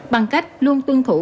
bằng cách luôn tuân thủ